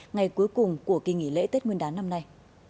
ngày cuối cùng của kỳ nghỉ lễ tết nguyên đán năm nay